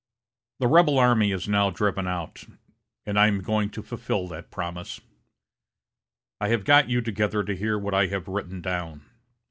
The rebel army is now driven out, and I am going to fulfil that promise. I have got you together to hear what I have written down.